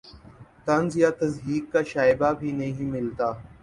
طنز یا تضحیک کا شائبہ بھی نہیں ملتا